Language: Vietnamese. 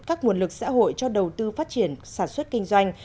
các nguồn lực xã hội cho đầu tư phát triển sản xuất kinh doanh